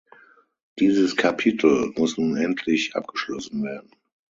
Dieses Kapitel muss nun endlich abgeschlossen werden.